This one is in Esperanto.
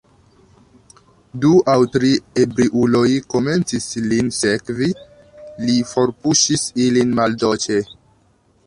Du aŭ tri ebriuloj komencis, lin sekvi: li forpuŝis ilin maldolĉe.